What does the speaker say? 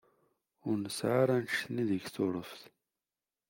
Ur nesεa ara annect-nni deg Tuṛuft.